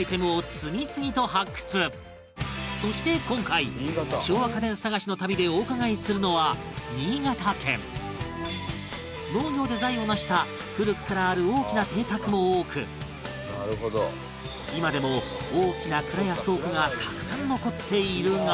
そして今回昭和家電探しの旅でお伺いするのは農業で財を成した古くからある大きな邸宅も多く今でも大きな蔵や倉庫がたくさん残っているが